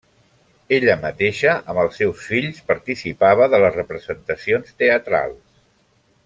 Ella mateixa, amb els seus fills participava de les representacions teatrals.